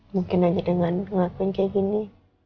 mungkin aja dengan pengakuan kayak gini